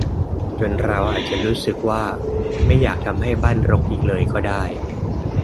จนเราอาจจะรู้สึกว่าไม่อยากทำให้บ้านรกอีกเลยก็ได้